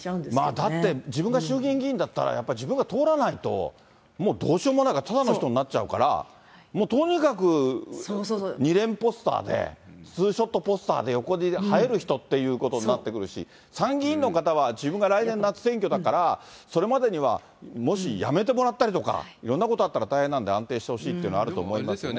だって自分が衆議院議員だったらやっぱり自分が通らないと、もうどうしようもないから、ただの人になっちゃうから、もうとにかく２連ポスターで、ツーショットポスターで横に映える人っていうことになってくるし、参議院の方は自分が来年夏選挙だから、それまでには、もし辞めてもらったりとか、いろんなことがあったら大変なんで、安定してほしいっていうのはあると思いますけどね。